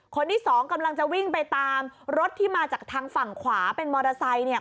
คนที่สองกำลังจะวิ่งไปตามรถที่มาจากทางฝั่งขวาเป็นมอเตอร์ไซค์เนี่ย